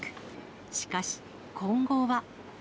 しかし、今後は。